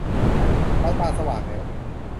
เราตาสว่างแล้ว